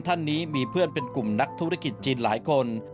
ท่านนี้มีเพื่อนเป็นกลุ่มนักธุรกิจจีนหลายคน